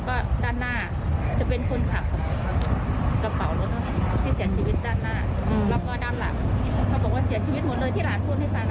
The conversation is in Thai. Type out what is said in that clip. พี่ขาดพูดให้ไปนะครับว่าอย่าทิ้ง